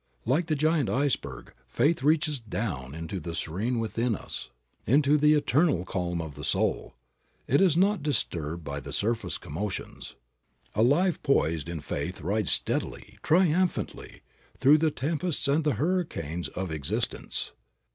Like the giant iceberg, faith reaches down into the serene within of us, into the eternal calm of the soul. It is not disturbed by the surface commotions. A life poised in faith rides steadily, triumphantly, through the tempests and the hurricanes of existence.